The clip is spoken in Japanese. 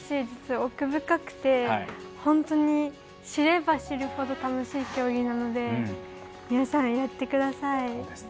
奥深くて本当に知れば知るほど楽しい競技なので皆さん、やってください。